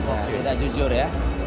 oh cerita jujur ya